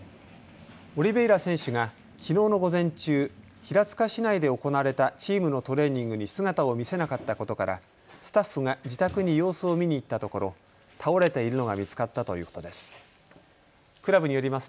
オリベイラ選手がきのうの午前中、平塚市内で行われたチームのトレーニングに姿を見せなかったことからスタッフが自宅に様子を見に行ったところ倒れているのが見つかったということです。